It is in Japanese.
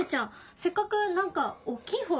せっかく何か大っきいホール？